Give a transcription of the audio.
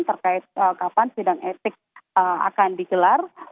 terkait kapan sidang etik akan digelar